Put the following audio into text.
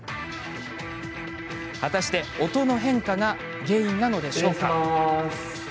果たして音の変化が原因なのでしょうか。